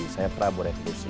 saya prabu refusi